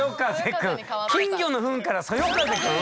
金魚のフンからそよ風くん。